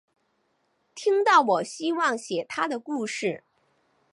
听到我希望写她的故事